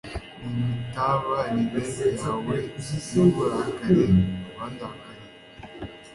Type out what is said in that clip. n imitabarukire yawe n uburakari wandakariye